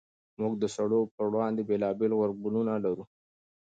موږ د سړو پر وړاندې بېلابېل غبرګونونه لرو.